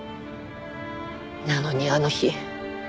なのにあの日。